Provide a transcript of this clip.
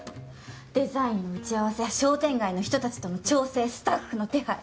デザインの打ち合わせ商店街の人たちとの調整スタッフの手配